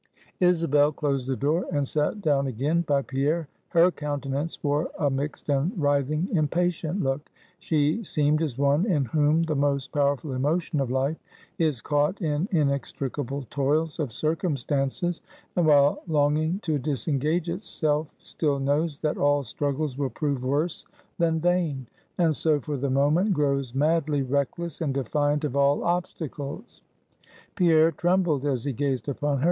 Isabel closed the door, and sat down again by Pierre. Her countenance wore a mixed and writhing, impatient look. She seemed as one in whom the most powerful emotion of life is caught in inextricable toils of circumstances, and while longing to disengage itself, still knows that all struggles will prove worse than vain; and so, for the moment, grows madly reckless and defiant of all obstacles. Pierre trembled as he gazed upon her.